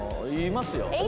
いますよ。